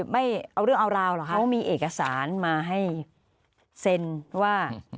ไม่เอาเรื่องเอาราวเหรอคะเขามีเอกสารมาให้เซ็นว่า